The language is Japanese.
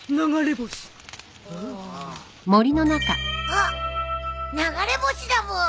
あっ流れ星だブー。